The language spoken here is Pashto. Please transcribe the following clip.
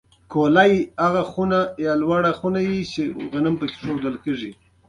دا ګومان یوازې خیال وي.